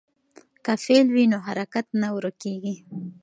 که فعل وي نو حرکت نه ورکېږي.